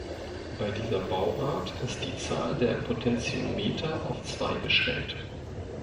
Bei dieser Bauart ist die Zahl der Potentiometer auf zwei beschränkt.